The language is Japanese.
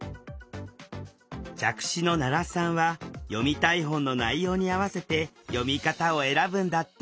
弱視の奈良さんは読みたい本の内容に合わせて読み方を選ぶんだって